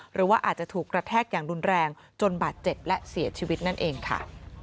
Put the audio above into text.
หรือว่าอาจจะถูกกระแทกอย่างรุนแรงจนบาดเจ็บและเสียชีวิตนั่นเองค่ะ